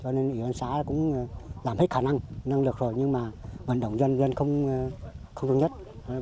cho nên ủy quan xã cũng làm hết khả năng nâng lực rồi nhưng mà vận động dân không đúng nhất